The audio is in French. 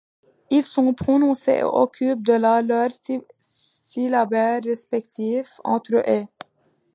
Ils sont prononcés et occupent la de leur syllabaire respectif, entre ひ et へ.